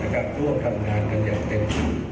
ควรทำงานกันแบบเต็ม